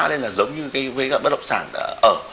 vậy là giống như cái với các bất động sản ở